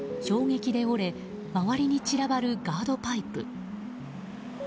衝撃で折れ周りに散らばるガードパイプ。